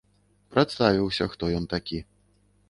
Прадставіўся, хто ён такі.